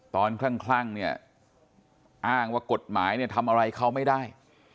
คลั่งเนี่ยอ้างว่ากฎหมายเนี่ยทำอะไรเขาไม่ได้